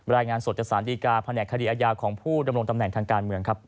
รายงานสดจากสารดีการแผนกคดีอาญาของผู้ดำรงตำแหน่งทางการเมืองครับ